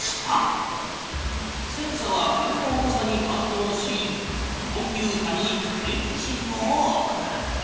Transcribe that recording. センサは鍵の重さに反のうしコンピュータに電気信号を送る。